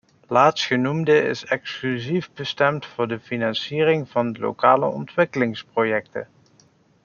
Laatstgenoemde is exclusief bestemd voor de financiering van lokale ontwikkelingsprojecten.